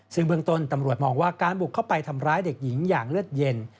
ซึ่งเบื้องต้นตำรวจมองว่าการบุกเข้าไปทำร้ายเด็กหญิงอย่างเลือดเย็น